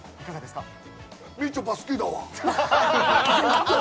みちょぱ、好きだわ。